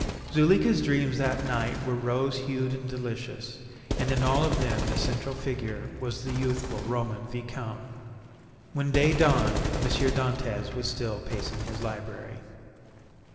Zuleika's dreams that night were rose hued and delicious, and in all of them the central figure was the youthful Roman Viscount. When day dawned M. Dantès was still pacing his library.